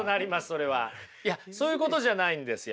いやそういうことじゃないんですよ。